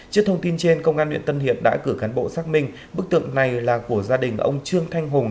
trước thông tin trên công an huyện tân hiệp đã cử cán bộ xác minh bức tượng này là của gia đình ông trương thanh hùng